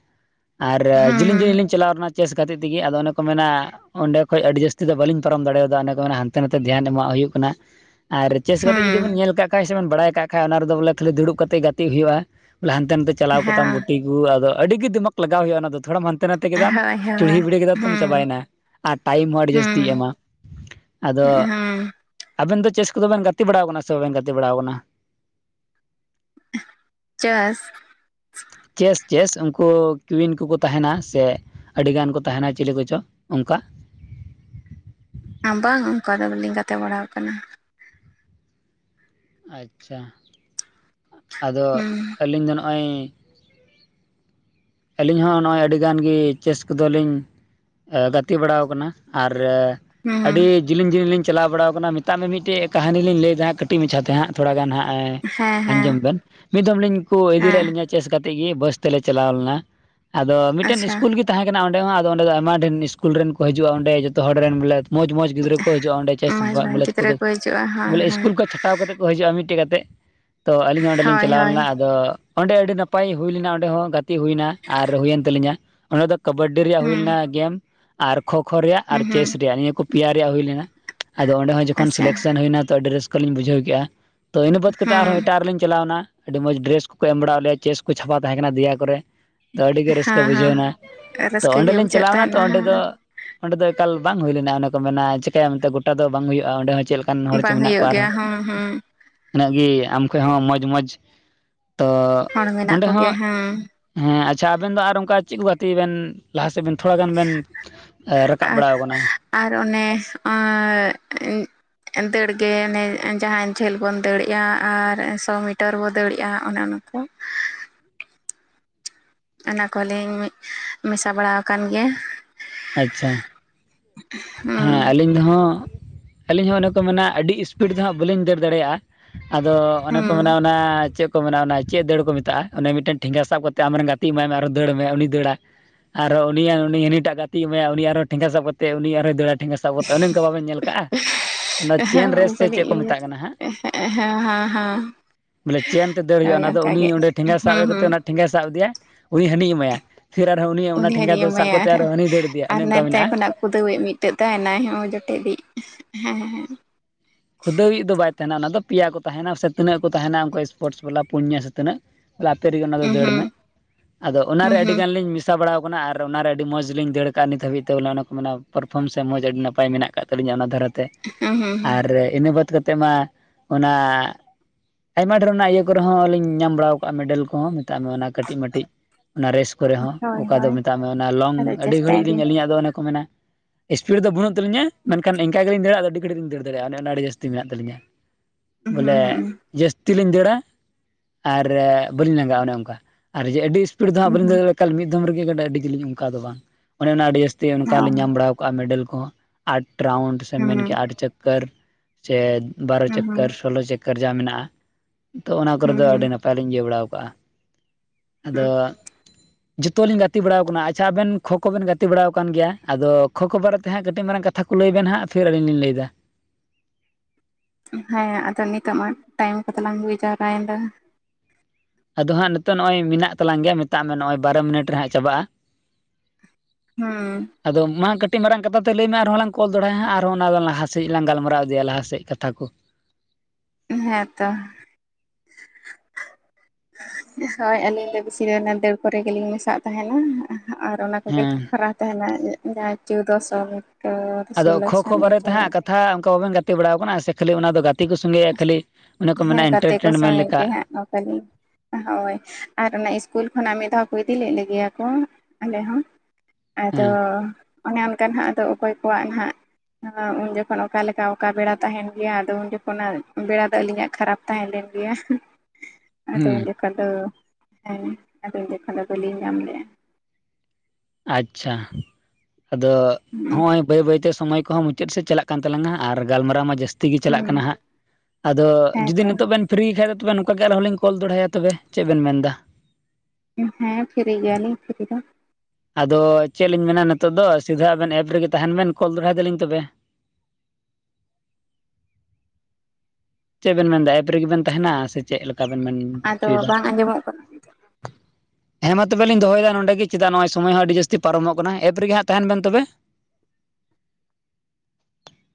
ᱟᱨ ᱦᱩᱸ ᱡᱤᱞᱤᱧ ᱦᱩᱸ ᱡᱤᱞᱤᱧ ᱞᱤᱧ ᱪᱟᱞᱟᱣ ᱞᱮᱱᱟ ᱪᱮᱥ ᱠᱷᱟᱛᱤᱨ ᱛᱮᱜᱮ ᱟᱫᱚ ᱚᱱᱟ ᱢᱮᱱᱟ ᱚᱸᱰᱮ ᱠᱷᱚᱡ ᱟᱹᱰᱤ ᱡᱟᱹᱥᱛᱤ ᱫᱚ ᱵᱟᱹᱞᱤᱧ ᱯᱟᱨᱚᱢ ᱫᱟᱲᱮᱭᱟᱫᱟ ᱚᱸᱰᱮ ᱠᱚ ᱢᱮᱱᱟ ᱦᱟᱱᱛᱮ ᱱᱟᱛᱮ ᱫᱷᱮᱭᱟᱱ ᱮᱢᱟᱜ ᱦᱩᱭᱩᱜ ᱠᱟᱱᱟ ᱟᱨ ᱪᱮᱥ ᱠᱟᱛᱮ ᱡᱩᱫᱤ ᱦᱩᱸ ᱵᱤᱱ ᱧᱮᱞ ᱠᱟᱜ ᱵᱟᱥᱮᱡ ᱵᱟᱲᱟᱭ ᱠᱟᱜ ᱠᱷᱟᱡ ᱚᱱᱟ ᱨᱮᱫᱚ ᱵᱚᱞᱮ ᱠᱷᱟᱹᱞᱤ ᱫᱩᱲᱩᱵ ᱠᱟᱛᱮ ᱜᱟᱛᱮᱜ ᱦᱩᱭᱩᱜᱼᱟ ᱵᱚᱞᱮ ᱦᱟᱱᱛᱮ ᱱᱟᱛᱮ ᱪᱟᱞᱟᱣ ᱠᱚᱛᱟᱢ ᱦᱮᱸ ᱜᱩᱴᱤ [unintelligible] ᱟᱫᱚ ᱟᱹᱰᱤ ᱜᱮ ᱫᱚᱢᱟᱠ ᱞᱟᱜᱟᱣ ᱦᱩᱭᱩᱜᱼᱟ ᱚᱱᱟ ᱛᱷᱚᱲᱟᱢ ᱦᱟᱱᱛᱮ ᱱᱟᱛᱮ ᱠᱮᱫᱟᱢ ᱦᱳᱭ ᱦᱳᱭ ᱪᱩᱦᱤ ᱵᱤᱲᱤ ᱠᱮᱫᱟᱢ ᱦᱩᱸ ᱪᱟᱵᱟᱭᱮᱱᱟ ᱟᱨ ᱴᱟᱭᱤᱢ ᱦᱚᱸ ᱟᱹᱰᱤ ᱡᱟᱹᱥᱛᱤᱭ ᱦᱩᱸ ᱮᱢᱟ ᱟᱫᱚ ᱦᱩᱸ ᱟᱵᱮᱱ ᱫᱚ ᱪᱮᱥ ᱠᱚᱫᱚ ᱵᱮᱱ ᱜᱟᱛᱮ ᱵᱟᱲᱟᱣ ᱠᱟᱱᱟ ᱥᱮ ᱵᱟᱵᱮᱱ ᱜᱟᱛᱮ ᱵᱟᱲᱟᱣ ᱠᱟᱱᱟ? ᱪᱟᱥ [unintelligible] ᱪᱮᱥ ᱪᱮᱥ ᱩᱝᱠᱩ ᱠᱤᱭᱩᱱ ᱠᱚᱠᱚ ᱛᱟᱦᱮᱱᱟ ᱥᱮ ᱟᱹᱰᱤ ᱜᱟᱱ ᱠᱚ ᱛᱟᱦᱮᱱᱟ ᱪᱤᱞᱤ ᱠᱚ ᱪᱚ ᱚᱝᱠᱟ ᱵᱟᱝ ᱚᱝᱠᱟ ᱫᱚ ᱵᱟᱹᱞᱤᱧ ᱜᱟᱛᱮ ᱵᱟᱲᱟᱣ ᱠᱟᱱᱟ ᱟᱪᱷᱟ ᱟᱫᱚ ᱦᱩᱸ ᱟᱹᱞᱤᱧ ᱫᱚ ᱱᱚᱜᱼᱚᱭ ᱟᱹᱞᱤᱧ ᱦᱚᱸ ᱱᱚᱜᱼᱚᱭ ᱟᱹᱰᱤ ᱜᱟᱱ ᱜᱮ ᱪᱮᱥ ᱠᱚᱫᱚᱞᱤᱧ ᱜᱟᱛᱮ ᱵᱟᱲᱟᱣ ᱠᱟᱱᱟ ᱟᱨ ᱟᱹᱰᱤ ᱦᱩᱸ ᱡᱤᱞᱤᱝ ᱡᱤᱞᱤᱧ ᱞᱤᱧ ᱪᱟᱞᱟᱣ ᱵᱟᱲᱟᱣ ᱠᱟᱱᱟ ᱢᱮᱛᱟᱜ ᱢᱮ ᱢᱤᱫ ᱴᱤᱡ ᱠᱟᱦᱱᱤ ᱞᱤᱧ ᱞᱟᱹᱭᱮᱫᱟ ᱦᱟᱸᱜ ᱠᱟᱹᱴᱤᱡ ᱢᱟᱪᱷᱟᱛᱮ ᱦᱟᱸᱜ ᱛᱷᱚᱲᱟ ᱜᱟᱱ ᱦᱟᱸᱜ ᱮ ᱦᱮᱸ ᱦᱮᱸ ᱟᱸᱡᱚᱢ ᱠᱮᱱ ᱢᱤᱫ ᱫᱷᱚᱣ ᱵᱚᱞᱤᱧ ᱠᱚ ᱤᱫᱤᱞ ᱦᱮᱸ ᱞᱮᱜ ᱞᱤᱧᱟ ᱪᱟᱥ ᱠᱟᱛᱮᱜ ᱜᱮ ᱵᱟᱥ ᱛᱮᱞᱮ ᱪᱟᱞᱟᱣ ᱞᱮᱱᱟ ᱟᱫᱚ ᱢᱤᱫᱴᱟᱹᱱ ᱟᱪᱪᱷᱟ ᱤᱥᱠᱩᱞ ᱜᱮ ᱛᱟᱦᱮᱸ ᱠᱟᱱᱟ ᱚᱸᱰᱮ ᱦᱚᱸ ᱟᱫᱚ ᱚᱸᱰᱮ ᱫᱚ ᱟᱭᱢᱟ ᱰᱷᱮᱨ ᱤᱥᱠᱩᱞ ᱨᱮᱱ ᱠᱚ ᱦᱤᱡᱩᱜᱼᱟ ᱚᱸᱰᱮ ᱡᱚᱛᱚ ᱦᱚᱲ ᱨᱮᱱ ᱵᱚᱞᱮ ᱢᱚᱡᱽ ᱢᱚᱡᱽ ᱜᱤᱫᱽᱨᱟᱹ ᱠᱚ ᱠᱚ ᱦᱤᱡᱩᱜᱼᱟ ᱚᱸᱰᱮ ᱪᱮᱥ ᱢᱚᱡᱽ ᱵᱚᱞᱮ ᱢᱚᱡᱽ ᱵᱚᱞᱮᱫ ᱜᱤᱫᱽᱨᱟᱹ ᱠᱚ ᱦᱤᱡᱩᱜᱼᱟ ᱦᱮᱸ ᱵᱚᱞᱮ ᱦᱮᱸ ᱤᱥᱠᱩᱞ ᱠᱚ ᱠᱟᱴᱟᱣ ᱠᱟᱛᱮᱜ ᱠᱚ ᱦᱤᱡᱩᱜᱼᱟ ᱢᱤᱫᱴᱮᱜ ᱠᱟᱛᱮᱜ ᱛᱚ ᱟᱹᱞᱤᱧ ᱦᱚᱸ ᱚᱸᱰᱮ ᱞᱤᱧ ᱦᱳᱭ ᱪᱟᱞᱟᱣ ᱦᱳᱭ ᱞᱮᱱᱟ ᱟᱫᱚ ᱚᱸᱰᱮ ᱟᱹᱰᱤ ᱱᱟᱯᱟᱭ ᱦᱩᱭ ᱞᱮᱱᱟ ᱚᱸᱰᱮ ᱦᱚᱸ ᱜᱟᱛᱮ ᱦᱩᱭᱱᱟ ᱟᱨ ᱦᱩᱭᱮᱱ ᱛᱟᱹᱞᱤᱧᱟ ᱚᱸᱰᱮ ᱫᱚ ᱠᱟᱵᱟᱰᱤ ᱨᱮᱭᱟᱜ ᱦᱩᱭ ᱦᱩᱸ ᱞᱮᱱᱟ ᱜᱮᱢ ᱟᱨ ᱠᱷᱳ ᱠᱷᱳ ᱨᱮᱭᱟᱜ ᱟᱨ ᱦᱩᱸ ᱦᱩᱸ ᱪᱮᱥ ᱨᱮᱭᱟᱜ ᱱᱤᱭᱟᱹ ᱠᱚ ᱯᱮᱭᱟ ᱨᱮᱭᱟᱜ ᱦᱩᱭ ᱞᱮᱱᱟ ᱟᱫᱚ ᱚᱸᱰᱮ ᱦᱚᱸ ᱡᱚᱠᱷᱚᱱ ᱟᱪᱪᱷᱟ ᱥᱤᱞᱮᱠᱥᱮᱱ ᱦᱩᱭᱱᱟ ᱛᱚ ᱟᱹᱰᱤ ᱨᱟᱹᱥᱠᱟᱹ ᱞᱤᱧ ᱵᱩᱡᱷᱟᱹᱣ ᱠᱮᱜᱼᱟ ᱛᱚ ᱤᱱᱟᱹ ᱵᱟᱹᱫᱽ ᱠᱟᱛᱮᱜ ᱟᱨᱦᱚ ᱦᱩᱸ ᱮᱴᱟᱜ ᱨᱮᱞᱤᱧ ᱪᱟᱞᱟᱣᱮᱱᱟ ᱟᱹᱰᱤ ᱢᱚᱡᱽ ᱰᱨᱮᱥ ᱠᱚᱠᱚ ᱮᱢ ᱵᱟᱲᱟᱣ ᱞᱮᱭᱟ ᱪᱮᱥ ᱠᱚ ᱪᱷᱟᱯᱟ ᱛᱟᱦᱮᱸ ᱠᱟᱱᱟ ᱫᱮᱭᱟ ᱠᱚᱨᱮ ᱟᱹᱰᱤᱜᱮ ᱨᱟᱹᱥᱠᱟᱹ ᱦᱮᱸ ᱦᱮᱸ ᱵᱩᱡᱷᱟᱹᱣᱱᱟ ᱛᱚ ᱨᱟᱹᱥᱠᱟᱹ ᱚᱸᱰᱮ ᱜᱮ ᱞᱤᱧ ᱵᱩᱡᱷᱟᱹᱜ ᱪᱟᱞᱟᱣᱱᱟ ᱛᱚ ᱛᱟᱦᱮᱱᱟ ᱚᱸᱰᱮ ᱫᱚ ᱚᱸᱰᱮ ᱫᱚ ᱮᱠᱟᱞ ᱵᱟᱝ ᱦᱩᱭ ᱞᱮᱱᱟ ᱚᱱᱮ ᱠᱚ ᱢᱮᱱᱟ ᱪᱤᱠᱟᱭᱟ ᱜᱚᱴᱟ ᱫᱚ ᱵᱟᱝ ᱦᱩᱭᱩᱜᱼᱟ ᱚᱸᱰᱮ ᱦᱚᱸ ᱪᱮᱫ ᱚᱝᱠᱟᱱ ᱦᱚᱲ ᱪᱚ ᱵᱟᱝ ᱢᱮᱱᱟᱜ ᱠᱚᱣᱟ ᱦᱩᱭᱩᱜ ᱜᱮᱭᱟ ᱟᱨᱦᱚᱸ ᱦᱩᱸ ᱦᱩᱸ ᱤᱱᱟᱹᱜ ᱜᱮ ᱟᱢ ᱠᱷᱚᱡ ᱦᱚᱸ ᱢᱚᱡᱽ ᱢᱚᱡᱽ ᱛᱚ ᱦᱚᱲ ᱢᱮᱱᱟᱜ ᱚᱸᱰᱮ ᱦᱚᱸ ᱠᱚᱜᱮᱭᱟ ᱦᱮᱸ ᱦᱮᱸ ᱟᱪᱷᱟ ᱟᱵᱮᱱ ᱫᱚ ᱟᱨ ᱚᱝᱠᱟ ᱪᱮᱫ ᱠᱚ ᱜᱟᱛᱮ ᱵᱮᱱ ᱞᱟᱦᱟ ᱥᱮᱫ ᱵᱮᱱ ᱛᱷᱚᱲᱟ ᱜᱟᱱ ᱵᱮᱱ ᱨᱟᱠᱟᱵ ᱟᱨ ᱵᱟᱲᱟᱣ ᱟᱠᱟᱱᱟ ᱟᱨ ᱚᱱᱮ ᱚᱸᱻ ᱩᱸᱜ ᱫᱟᱹᱲ ᱜᱮ ᱚᱱᱮ ᱡᱟᱦᱟᱸᱭ ᱡᱷᱟᱹᱞ ᱵᱚᱱ ᱫᱟᱹᱲᱮᱜᱼᱟ ᱟᱨ ᱥᱚ ᱢᱤᱴᱟᱹᱨ ᱵᱚᱱ ᱫᱟᱹᱲᱮᱜᱼᱟ ᱚᱱᱮ ᱚᱱᱟ ᱠᱚ ᱚᱱᱟ ᱠᱚᱦᱚᱞᱤᱧ ᱢᱮᱥᱟ ᱵᱟᱲᱟᱣ ᱠᱟᱱ ᱜᱮᱭᱟ ᱟᱪᱷᱟ ᱦᱮᱸ ᱦᱩᱸ ᱟᱹᱞᱤᱧ ᱟᱦᱚᱸ ᱟᱹᱞᱤᱧ ᱦᱚᱸ ᱚᱱᱮ ᱠᱚ ᱢᱮᱱᱟ ᱟᱹᱰᱤ ᱤᱥᱯᱤᱰ ᱫᱚ ᱦᱟᱸᱜ ᱵᱟᱹᱞᱤᱧ ᱫᱟᱹᱲ ᱫᱟᱲᱮᱭᱟᱜᱼᱟ ᱟᱫᱚ ᱚᱱᱮ ᱠᱚ ᱢᱮᱱᱟ ᱦᱩᱸ ᱚᱱᱟ ᱪᱮᱫ ᱠᱚ ᱢᱮᱱᱟ ᱚᱱᱟ ᱪᱮᱫ ᱫᱟᱹᱲ ᱠᱚ ᱢᱮᱛᱟᱜᱼᱟ ᱢᱤᱫ ᱴᱮᱱ ᱴᱷᱮᱸᱜᱟ ᱥᱟᱵ ᱠᱟᱛᱮᱫ ᱟᱢ ᱨᱮᱱ ᱜᱟᱛᱮ ᱮᱢᱟᱭ ᱢᱮ ᱟᱨᱚ ᱫᱟᱹᱲ ᱢᱮ ᱩᱱᱤᱭ ᱫᱟᱹᱲᱟ ᱟᱨᱦᱚᱸ ᱩᱱᱤᱭᱟᱜ ᱩᱱᱤ ᱦᱟᱹᱱᱤᱴᱟᱜ ᱜᱟᱛᱮᱜ ᱮᱢᱟᱭᱟ ᱩᱱᱤ ᱟᱨᱦᱚᱸ ᱴᱷᱮᱸᱜᱟ ᱥᱟᱵ ᱠᱟᱛᱮᱜ ᱩᱱᱤ ᱟᱨᱦᱚᱭ ᱫᱟᱹᱲᱟ ᱴᱷᱮᱸᱜᱟ ᱥᱟᱵ ᱠᱟᱛᱮᱜ ᱚᱱᱮ ᱚᱝᱠᱟ ᱵᱟᱵᱮᱱ ᱧᱮᱞ ᱠᱟᱜᱼᱟ ᱚᱱᱟ ᱪᱮᱱ ᱦᱮᱸ ᱨᱮᱥ ᱥᱮ ᱪᱮᱫ ᱠᱚ ᱵᱟᱞᱩᱝ ᱢᱮᱛᱟᱜ ᱠᱟᱱᱟ ᱦᱟᱸᱜ ᱦᱮᱸ ᱦᱮᱸ ᱦᱮᱸ ᱵᱚᱞᱮ ᱪᱮᱱ ᱛᱮ ᱫᱟᱹᱲ ᱦᱩᱭᱩᱜᱼᱟ ᱦᱳᱭ ᱚᱱᱟᱫᱚ ᱩᱱᱤ ᱚᱱᱠᱟᱜᱮ ᱚᱸᱰᱮ ᱴᱷᱮᱸᱜᱟ ᱥᱟᱵ ᱦᱩᱸ ᱠᱟᱛᱮ ᱦᱩᱸ ᱚᱱᱟ ᱴᱷᱮᱸᱜᱟᱭ ᱥᱟᱵ ᱤᱫᱤᱭᱟ ᱩᱱᱤ ᱦᱟᱹᱱᱤ ᱮᱢᱟᱭᱟᱭ ᱯᱷᱤᱨ ᱟᱨᱦᱚᱸ ᱩᱱᱤᱭ ᱚᱱᱟ ᱩᱱᱤ ᱴᱷᱮᱸᱜᱟ ᱦᱟᱹᱱᱤ ᱫᱚ ᱥᱟᱵ ᱠᱟᱛᱮ ᱟᱨᱦᱚᱸ ᱦᱟᱹᱱᱤ ᱫᱟᱹᱲ ᱤᱫᱤᱭᱟ ᱚᱱᱮ ᱚᱝᱠᱟ ᱢᱮᱱᱟᱜᱼᱟ ᱠᱩᱫᱟᱹᱭᱤᱜ ᱢᱤᱫ ᱴᱤᱜ ᱛᱟᱦᱮᱸᱱᱟᱭ ᱦᱚᱸ ᱡᱚᱴᱤ ᱫᱤᱜ ᱦᱮᱸ ᱦᱮᱸ ᱠᱩᱫᱟᱹᱣᱭᱤᱜ ᱫᱚ ᱵᱟᱭ ᱛᱟᱦᱮᱸᱱᱟ ᱚᱱᱟ ᱫᱚ ᱯᱮᱭᱟ ᱠᱚ ᱛᱟᱦᱮᱸᱱᱟ ᱥᱮ ᱛᱱᱟᱹᱜ ᱠᱚ ᱛᱟᱦᱮᱱᱟ ᱩᱱᱠᱩ ᱥᱯᱳᱴᱥ ᱵᱟᱞᱟ ᱯᱩᱱᱭᱟᱹ ᱥᱮ ᱛᱤᱱᱟᱹᱜ ᱟᱯᱮ ᱨᱮᱜᱮ ᱚᱱᱟ ᱫᱚ ᱦᱩᱸ ᱫᱟᱹᱲ ᱢᱮ ᱟᱫᱚ ᱚᱱᱟᱨᱮ ᱦᱩᱸ ᱦᱩᱸ ᱟᱹᱰᱤᱜᱟᱱ ᱞᱤᱧ ᱢᱤᱥ ᱢᱮᱥᱟ ᱵᱟᱲᱟᱣ ᱠᱟᱱᱟ ᱟᱨ ᱚᱱᱟᱨᱮ ᱟᱹᱰᱤ ᱢᱚᱡᱽ ᱞᱤᱧ ᱫᱟᱹᱲ ᱠᱟᱜᱼᱟ ᱱᱤᱛ ᱦᱟᱹᱵᱤᱡ ᱛᱮ ᱵᱚᱞᱮ ᱚᱱᱟ ᱠᱚ ᱢᱚᱱᱮ ᱯᱚᱨᱯᱷᱚᱢ ᱥᱮ ᱢᱚᱡᱽ ᱟᱹᱰᱤ ᱱᱟᱯᱟᱭ ᱢᱮᱱᱟᱜ ᱠᱟᱜ ᱛᱟᱹᱞᱤᱧᱟ ᱚᱱᱟ ᱫᱷᱟᱨᱟᱛᱮ ᱦᱩᱸ ᱦᱩᱸ ᱦᱩᱸ ᱟᱨ ᱤᱱᱟᱹ ᱵᱟᱫ ᱠᱟᱛᱮᱜ ᱢᱟ ᱚᱱᱟ ᱟᱭᱢᱟ ᱰᱷᱮᱨ ᱚᱱᱟ ᱤᱭᱟᱹ ᱠᱚᱨᱮ ᱦᱚᱸ ᱞᱤᱧ ᱧᱟᱢ ᱵᱟᱲᱟ ᱠᱟᱜᱼᱟ ᱢᱮᱰᱮᱞ ᱠᱚᱦᱚᱸ ᱢᱮᱛᱟᱜ ᱢᱮ ᱚᱱᱟ ᱠᱟᱹᱴᱤᱡ ᱢᱟᱴᱤᱡ ᱚᱱᱟ ᱨᱮᱥ ᱠᱚᱨᱮ ᱦᱚᱸ ᱦᱳᱭ ᱚᱠᱟ ᱫᱚ ᱦᱳᱭ ᱢᱮᱛᱟᱜ ᱢᱮ ᱚᱱᱟ ᱞᱚᱝ ᱟᱨᱚ ᱟᱹᱰᱤ ᱪᱮᱥᱴᱟᱭ ᱜᱷᱟᱹᱲᱤᱡ ᱞᱤᱧ ᱵᱤᱱ ᱟᱹᱞᱤᱧᱟᱜ ᱫᱚ ᱚᱱᱮ ᱠᱚ ᱢᱮᱱᱟ ᱤᱥᱯᱤᱰ ᱫᱚ ᱵᱟᱹᱱᱩᱜ ᱛᱟᱹᱞᱤᱧ ᱟ ᱢᱮᱱ ᱠᱷᱟᱱ ᱤᱝᱠᱟ ᱜᱮᱞᱤᱧ ᱫᱟᱹᱲᱟ ᱟᱫᱚ ᱟᱹᱰᱤ ᱯᱤᱰ ᱞᱤᱧ ᱫᱟᱹᱲ ᱫᱟᱲᱮᱭᱟᱜᱼᱟ ᱚᱱᱮ ᱚᱱᱟ ᱟᱹᱰᱤ ᱡᱟᱹᱥᱛᱤ ᱢᱮᱱᱟᱜ ᱛᱟᱹᱤᱧᱟ ᱦᱩᱸ ᱵᱚᱞᱮ ᱦᱩᱸ ᱡᱟᱹᱥᱛᱤ ᱞᱤᱧ ᱫᱟᱹᱲᱟ ᱟᱨ ᱵᱟᱹᱞᱤᱧ ᱞᱟᱸᱜᱟ ᱟ ᱚᱱᱮ ᱚᱱᱠᱟ ᱟᱨ ᱡᱮ ᱟᱹᱰᱤ ᱤᱥ ᱤᱥᱯᱤᱰ ᱫᱚ ᱦᱟᱸᱜ ᱦᱩᱸ ᱵᱟᱹᱞᱤᱧ ᱦᱩᱸ ᱫᱟᱹᱲ ᱮᱠᱟᱞ ᱢᱤᱫ ᱫᱷᱚᱢ ᱨᱮᱜᱮ ᱟᱹᱰᱤ ᱡᱤᱞᱤᱧ ᱚᱱᱠᱟ ᱫᱚ ᱵᱟᱝ ᱚᱱᱮ ᱚᱱᱟ ᱟᱹᱰᱤ ᱡᱟᱹᱥᱛᱤ ᱚᱱᱠᱟ ᱞᱤᱧ ᱦᱚᱸ ᱧᱟᱢ ᱵᱟᱲᱟᱣ ᱢᱮᱰᱮᱞ ᱠᱚᱦᱚᱸ ᱟᱴ ᱨᱟᱣᱩᱱᱰ ᱥᱮ ᱦᱩᱸ ᱢᱮᱱ ᱦᱩᱸ ᱠᱮᱜᱼᱟ ᱟᱴ ᱪᱚᱠᱚᱨ ᱥᱮ ᱵᱟᱨᱚ ᱦᱩᱸ ᱪᱚᱠᱚᱨ ᱥᱳᱞᱳ ᱪᱠᱚᱨ ᱡᱟ ᱢᱮᱱᱟᱜᱼᱟ ᱛᱚ ᱚᱱᱟ ᱠᱚᱨᱮ ᱦᱩᱸ ᱫᱚ ᱦᱩᱸ ᱟᱹᱰᱤ ᱱᱟᱯᱟᱭ ᱵᱟᱹᱤᱧ ᱤᱭᱟᱹ ᱵᱟᱲᱟᱣ ᱠᱟᱜᱼᱟ ᱟᱫᱚ ᱦᱩᱸ ᱡᱚᱛᱚ ᱞᱤᱧ ᱜᱟᱛᱮ ᱵᱟᱲᱟᱣ ᱠᱟᱱᱟ ᱟᱪᱪᱷᱟ ᱟᱵᱮᱱ ᱠᱷᱳ ᱠᱷᱳ ᱵᱮᱱ ᱜᱟᱛᱮ ᱵᱟᱲᱟᱣ ᱠᱟᱱ ᱜᱮᱭᱟ ᱟᱫᱚ ᱠᱷᱳ ᱠᱷᱳ ᱵᱟᱨᱮ ᱛᱮ ᱦᱟᱸᱜ ᱠᱟᱹᱴᱤᱡ ᱢᱟᱨᱟᱝ ᱠᱟᱛ ᱠᱟᱛᱷᱟ ᱞᱟᱹᱭ ᱵᱤᱱ ᱦᱟᱸᱜ ᱯᱷᱤᱨ ᱟᱹᱞᱤᱧ ᱞᱤᱧ ᱞᱟᱹᱭ ᱫᱟ ᱦᱮᱸ ᱟᱫᱚ ᱱᱤᱛᱚᱜ ᱢᱟ ᱴᱟᱭᱤᱢ ᱠᱚ ᱛᱟᱞᱟᱝ ᱦᱩᱭ ᱡᱟᱣᱨᱟᱭᱮᱱ ᱫᱚ ᱟᱫᱚ ᱦᱟᱸᱜ ᱱᱤᱛᱚᱜ ᱱᱚᱜᱼᱚᱭ ᱢᱮᱱᱟᱜ ᱛᱟᱞᱟᱝ ᱜᱮ ᱢᱮᱛᱟᱜ ᱢᱮ ᱱᱚᱜᱼᱚᱭ ᱵᱟᱨᱚ ᱢᱤᱱᱤᱴ ᱨᱮ ᱦᱟᱸᱜ ᱪᱟᱵᱟᱜᱼᱟ ᱦᱩᱸ ᱟᱫᱚ ᱢᱟ ᱠᱟᱹᱴᱤᱡ ᱢᱟᱨᱟᱝ ᱠᱟᱛᱷᱟ ᱛᱮ ᱞᱟᱹᱭ ᱢᱮ ᱟᱨᱦᱚᱸ ᱞᱟᱝ ᱠᱚᱞ ᱫᱚᱲᱦᱟᱭ ᱦᱟᱸᱜ ᱟᱨᱦᱚᱸ ᱚᱱᱟ ᱞᱟᱦᱟ ᱥᱮᱡ ᱞᱟᱝ ᱜᱟᱞᱢᱟᱨᱟᱣ ᱤᱫᱤᱭᱟ ᱞᱟᱦᱟ ᱥᱮᱫ ᱠᱟᱛᱷᱟ ᱠᱚ ᱦᱮᱸ ᱛᱚ [inaudible] ᱦᱳᱭ ᱟᱹᱞᱤᱧ ᱫᱚ ᱵᱮᱥᱤ ᱫᱚ ᱫᱟᱹᱲ ᱠᱚᱨᱮ ᱜᱮᱞᱤᱧ ᱢᱮᱥᱟᱜ ᱛᱟᱸᱦᱮᱱᱟ ᱟᱨ ᱚᱱᱟ ᱦᱮᱸ ᱠᱷᱟᱨᱟ ᱛᱟᱸᱦᱮᱱᱟ ᱡᱟᱦᱟᱸ ᱪᱳᱫᱚ ᱥᱚ ᱢᱤᱴᱚᱨ ᱟᱫᱚ ᱠᱷᱳ ᱠᱷᱳ ᱵᱟᱨᱮ ᱛᱮ ᱦᱟᱸᱜ ᱠᱟᱛᱷᱟ ᱚᱱᱠᱟ ᱵᱟᱵᱤᱱ ᱜᱟᱛᱮ ᱵᱟᱲᱟᱣ ᱠᱟᱱᱟ ᱥᱮ ᱠᱷᱟᱹᱞᱤ ᱚᱱᱟ ᱫᱚ ᱜᱟ ᱜᱟᱛᱮ ᱠᱚ ᱥᱚᱸᱜᱮᱭᱟ ᱠᱷᱟᱹᱞᱤ ᱚᱱᱟ ᱠᱚ ᱢᱮᱱᱟ ᱤᱱᱴᱟᱨᱴᱮᱱᱢᱮᱱ ᱞᱮᱠᱟ ᱛᱟᱞᱤᱧ ᱦᱳᱭ ᱟᱨ ᱚᱱᱟ ᱤᱥᱠᱩᱞ ᱠᱷᱚᱱᱟᱜ ᱢᱤᱫ ᱫᱷᱟᱣ ᱠᱚ ᱤᱫᱤ ᱞᱮᱜ ᱞᱮᱜᱮᱭᱟ ᱠᱚ ᱟᱞᱮ ᱦᱚᱸ ᱟᱫᱚ ᱦᱮᱸ ᱚᱱᱮ ᱚᱱᱠᱟ ᱦᱟᱸᱜ ᱟᱫᱚ ᱚᱠᱚᱭ ᱠᱚᱣᱟᱜ ᱱᱟᱦᱟᱜ ᱟᱫᱚ ᱩᱱ ᱡᱚᱠᱷᱚᱱ ᱚᱠᱟ ᱞᱮᱠᱟ ᱚᱠᱟ ᱵᱮᱲᱟ ᱛᱟᱸᱦᱮᱱ ᱜᱮᱭᱟ ᱟᱫᱚ ᱩᱱ ᱡᱚᱠ ᱚᱱᱟ ᱵᱮᱲᱟ ᱫᱚ ᱟᱹᱞᱤᱧ ᱟᱜ ᱠᱷᱟᱨᱟᱯ ᱛᱟᱦᱮᱸ ᱞᱮᱱ ᱜᱮᱭᱟ ᱟᱫᱚ ᱦᱩᱸ ᱡᱚᱛᱚ ᱟᱫᱚ ᱦᱮᱸ ᱟᱫᱚ [inaudible] ᱵᱟᱹᱞᱤᱧ ᱧᱟᱢ ᱞᱮᱜᱼᱟ ᱟᱪᱪᱷᱟ ᱟᱫᱚ ᱦᱚᱸᱜᱼᱚᱭ ᱵᱟᱹᱭ ᱵᱟᱹᱭ ᱛᱮ ᱥᱚᱢᱚᱭ ᱠᱚᱦᱚᱸ ᱢᱩᱪᱟᱹᱫ ᱥᱮᱫ ᱪᱟᱞᱟᱜ ᱠᱟᱱ ᱛᱟᱞᱟᱝ ᱟ ᱟᱨ ᱜᱟᱞᱢᱟᱨᱟᱣ ᱢᱟ ᱡᱟᱹᱥ ᱛᱮᱜᱤ ᱪᱟᱞᱟᱜ ᱠᱟᱱᱟ ᱦᱩᱸ ᱦᱟᱸᱜ ᱟᱫᱚ ᱡᱩᱫᱤ ᱦᱮᱸᱛᱚ ᱱᱤᱛᱚᱜ ᱵᱮᱱ ᱯᱷᱨᱤ ᱠᱷᱟᱡ ᱫᱚ ᱛᱚᱵᱮ ᱱᱚᱝᱠᱟ ᱜᱮ ᱟᱨᱦᱚᱸ ᱞᱤᱧ ᱠᱚᱞ ᱫᱚᱲᱦᱟᱭᱟ ᱛᱚᱵᱮ ᱪᱮᱫ ᱵᱤᱱ ᱢᱮᱱ ᱫᱟ ᱦᱮᱸ ᱯᱷᱤᱨᱤ ᱜᱮᱭᱟ ᱞᱤᱧ ᱯᱷᱤᱨᱤ ᱫᱚ ᱟᱫᱚ ᱪᱮᱫ ᱞᱤᱧ ᱢᱮᱱᱟ ᱱᱤᱛᱚᱜ ᱫᱚ ᱥᱤᱫᱷᱟᱹ ᱟᱵᱮᱱ ᱮᱯ ᱨᱮᱜᱮ ᱛᱟᱸᱦᱮᱱ ᱵᱮᱱ ᱠᱚᱞ ᱫᱚᱲᱦᱟᱭ ᱫᱟᱞᱤᱧ ᱛᱚᱵᱮ ᱪᱮᱫ ᱵᱮᱱ ᱢᱮᱱ ᱫᱟ ᱮᱯ ᱨᱮᱜᱮ ᱵᱮᱱ ᱛᱟᱸᱦᱮᱱᱟ ᱥᱮ ᱪᱮᱫ ᱞᱮᱠᱟ ᱵᱮᱱ ᱢᱮᱱ ᱟᱫᱚ ᱪᱚᱭ ᱫᱟ ᱵᱟᱝ ᱟᱸᱡᱚᱢᱚᱜ ᱠᱟᱱᱟ [inaudible] ᱦᱮᱸ ᱢᱟ ᱛᱚᱵᱮ ᱞᱤᱧ ᱫᱚᱦᱚᱭ ᱫᱟ ᱱᱚᱸᱰᱮ ᱜᱮ ᱪᱮᱫᱟᱜ ᱱᱚᱼᱚᱭ ᱥᱚᱢᱚᱭ ᱦᱚᱸ ᱟᱹᱰᱤ ᱡᱟᱹᱥᱛᱤ ᱯᱟᱨᱚᱢᱚᱜ ᱠᱟᱱᱟ ᱮᱯ ᱨᱮᱜᱮ ᱦᱟᱸᱜ ᱛᱟᱸᱦᱮᱱ ᱵᱮᱱ ᱛᱚᱵᱮ